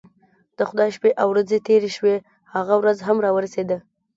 د خدای شپې او ورځې تیرې شوې هغه ورځ هم راورسېده.